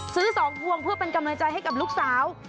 ซื้อ๒พวงเพื่อเป็นกำลังใจให้กับลูกสาว